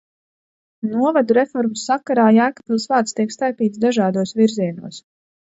Novadu reformas sakarā Jēkabpils vārds tiek staipīts dažādos virzienos.